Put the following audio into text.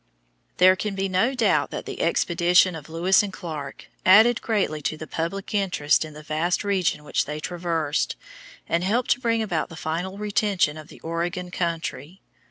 There can be no doubt that the expedition of Lewis and Clark added greatly to the public interest in the vast region which they traversed, and helped to bring about the final retention of the Oregon country.